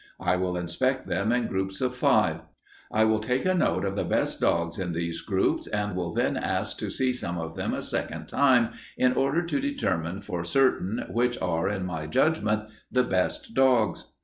I will inspect them in groups of five. I will make a note of the best dogs in these groups, and will then ask to see some of them a second time in order to determine for certain which are, in my judgment, the best dogs."